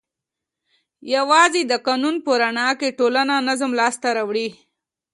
یوازې د قانون په رڼا کې ټولنه نظم لاس ته راوړي.